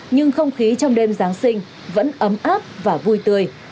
nhưng không khí trong đêm giáng sinh vẫn ấm áp và vui tươi